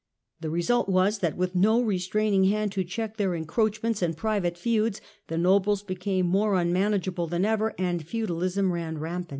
The result was, that with no restraining hand to check their encroachments and private feuds, the nobles became more unmanageable than ever, and feudalism ran rampant.